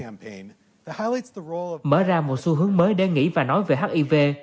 mở ra một xu hướng mới để nghĩ và nói về hiv